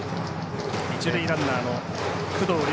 一塁ランナーの工藤遼